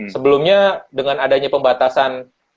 sebelumnya dengan adanya pembatasan